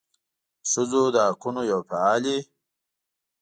د ښځو د حقونو یوې فعالې